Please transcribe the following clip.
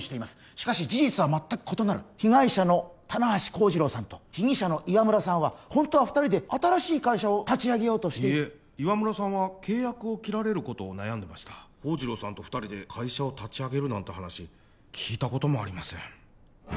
しかし事実はまったく異なる被害者の棚橋幸次郎さんと被疑者の岩村さんはホントは２人で新しい会社を立ち上げようとしていえ岩村さんは契約を切られることを悩んでた幸次郎さんと２人で会社を立ち上げるなんて話聞いたこともありません